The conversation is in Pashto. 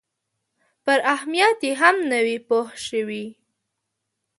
پر اهمیت یې هم نه وي پوه شوي.